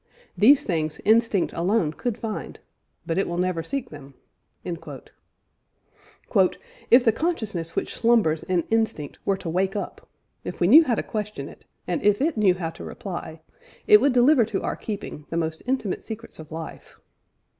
These things instinct alone could find; but it will never seek them." (Creative Evolution, p. 159). "If the consciousness which slumbers in instinct were to wake up ... if we knew how to question it, and if it knew how to reply, it would deliver to our keeping the most intimate secrets of life."